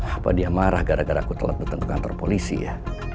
apa dia marah gara gara aku telat datang ke kantor polisi ya